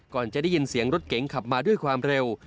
ก่อนจะได้ยินเสียงรถเก๋งขับมาด้วยความเร็ว